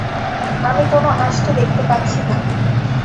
আমি কোনো অ্যাশটে দেখতে পাচ্ছি না।